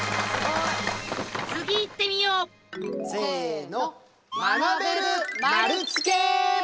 次いってみよう！せの。